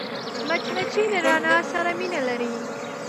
مچمچۍ له رڼا سره مینه لري